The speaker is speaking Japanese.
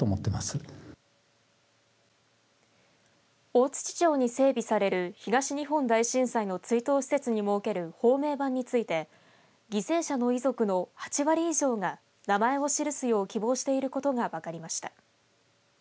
大槌町に整備される東日本大震災の追悼施設に設ける芳名板について犠牲者の遺族の８割以上が名前を記すよう希望していることが分かりました。